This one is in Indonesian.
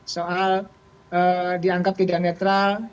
soal dianggap tidak netral